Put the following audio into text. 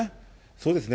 そうですね。